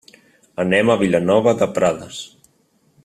Anem a Vilanova de Prades.